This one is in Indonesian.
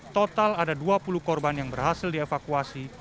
total ada dua puluh korban yang berhasil dievakuasi